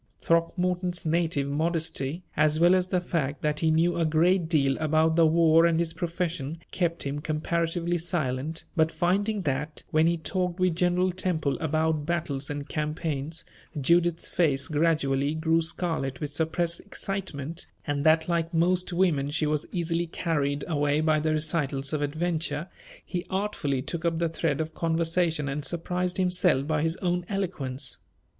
Throckmorton's native modesty, as well as the fact that he knew a great deal about the war and his profession, kept him comparatively silent; but finding that, when he talked with General Temple about battles and campaigns, Judith's face gradually grew scarlet with suppressed excitement, and that like most women she was easily carried away by the recitals of adventure, he artfully took up the thread of conversation and surprised himself by his own eloquence.